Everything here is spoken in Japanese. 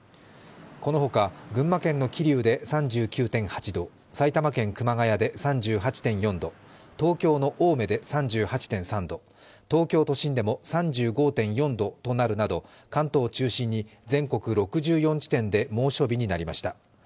このほか、群馬県の桐生で３９．８度、埼玉県熊谷で３８．４度、東京の青梅で３８．３度、東京都心でも３５．４度となるなど、関東を中止に全国６４地点で猛暑日になりました。